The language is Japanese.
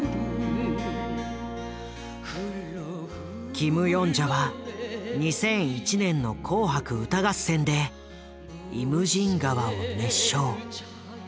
キム・ヨンジャは２００１年の紅白歌合戦で「イムジン河」を熱唱。